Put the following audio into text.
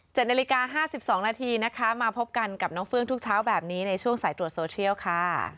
นาฬิกาห้าสิบสองนาทีนะคะมาพบกันกับน้องเฟื้องทุกเช้าแบบนี้ในช่วงสายตรวจโซเชียลค่ะ